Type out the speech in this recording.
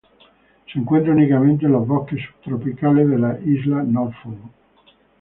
Se encuentra únicamente en los bosques subtropicales de la isla Norfolk.